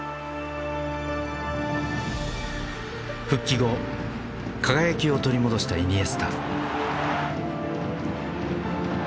復帰後輝きを取り戻したイニエスタ。